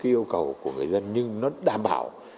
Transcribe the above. yêu cầu của người dân nhưng nó đảm bảo